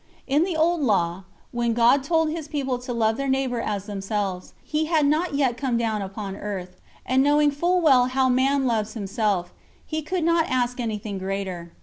_ In the Old Law, when God told His people to love their neighbour as themselves, He had not yet come down upon earth; and knowing full well how man loves himself, He could not ask anything greater.